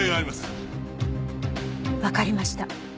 わかりました。